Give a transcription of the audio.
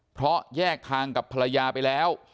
เพราะแยกทางกับภรรยาไปแล้ว